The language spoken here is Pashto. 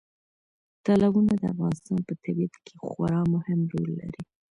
تالابونه د افغانستان په طبیعت کې خورا مهم رول لري.